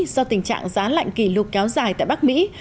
do tình trạng giá lạnh kỷ lục kéo dài tại bắc mỹ